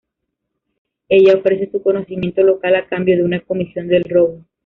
Ella ofrece su conocimiento local a cambio de una comisión del robo.